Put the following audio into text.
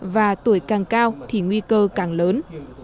và tuổi càng cao thì nguy cơ càng lớn